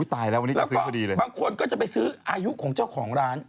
บางคนก็จะไปซื้ออายุของเจ้าของร้าน